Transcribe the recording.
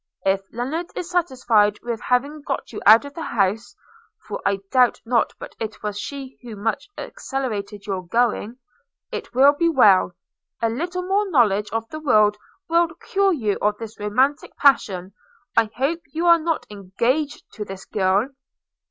If Lennard is satisfied with having got you out of the house (for I doubt not but it was she who so much accelerated your going), it will be well; – a little more knowledge of the world will cure you of this romantic passion. I hope you are not engaged to this girl?'